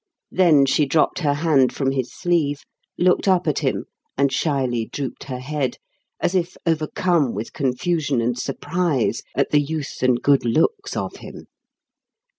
Then she dropped her hand from his sleeve, looked up at him, and shyly drooped her head, as if overcome with confusion and surprise at the youth and good looks of him.